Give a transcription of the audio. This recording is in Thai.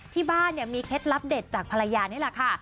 ที่บ้านเนี่ยมีเคล็ดลับเด็ดจากภรรยานี่แหละค่ะ